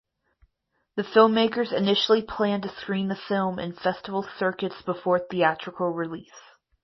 The filmmakers initially planned to screen the film in festival circuits before theatrical release.